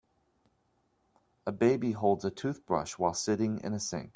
A baby holds a toothbrush while sitting in a sink.